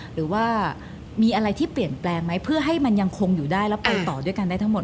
หรือว่ามีอะไรที่เปลี่ยนแปลงไหมเพื่อให้มันยังคงอยู่ได้แล้วไปต่อด้วยกันได้ทั้งหมด